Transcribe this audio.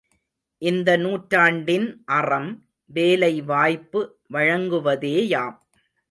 இந்த நூற்றாண்டின் அறம், வேலை வாய்ப்பு வழங்குவதேயாம்.